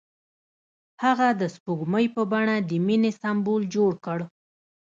هغه د سپوږمۍ په بڼه د مینې سمبول جوړ کړ.